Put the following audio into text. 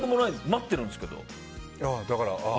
待ってるんですけど。